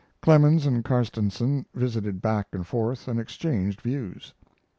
Clemens and Carstensen visited back and forth and exchanged views.